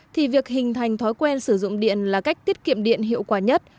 thì việc hình thành thói quen sử dụng điện là cách tiết kiệm điện hiệu quả nhất